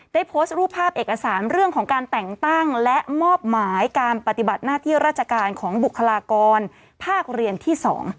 โพสต์รูปภาพเอกสารเรื่องของการแต่งตั้งและมอบหมายการปฏิบัติหน้าที่ราชการของบุคลากรภาคเรียนที่๒